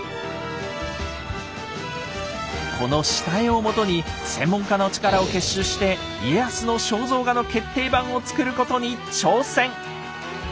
この下絵をもとに専門家の力を結集して家康の肖像画の決定版を作ることに挑戦！